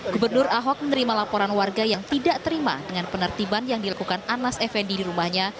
gubernur ahok menerima laporan warga yang tidak terima dengan penertiban yang dilakukan anas effendi di rumahnya